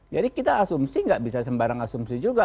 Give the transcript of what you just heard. jadi kita asumsi gak bisa sembarang asumsi juga